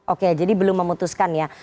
oke jadi belum memutuskan ya